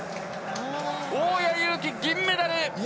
大矢勇気、銀メダル！